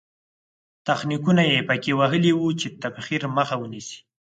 تخنیکونه یې په کې وهلي وو چې تبخیر مخه ونیسي.